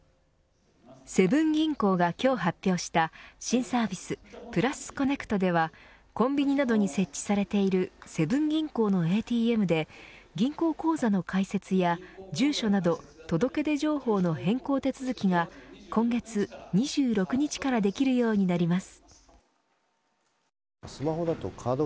セブン銀行が今日発表した新サービス＋Ｃｏｎｎｅｃｔではコンビニなどに設置されているセブン銀行のＡＴＭで銀行口座の開設や住所など届け出情報の変更手続きが今月２６日からできるようになります。